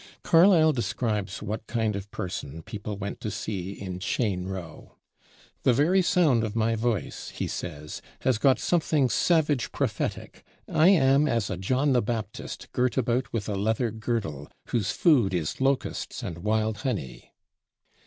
Carlyle describes what kind of person people went to see in Cheyne Row. "The very sound of my voice," he says, "has got something savage prophetic: I am as a John the Baptist girt about with a leather girdle, whose food is locusts and wild honey."